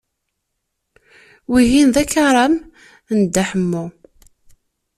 Wihin d akaram n Dda Ḥemmu.